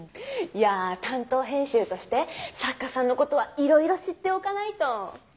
いや担当編集として作家さんのことはいろいろ知っておかないと。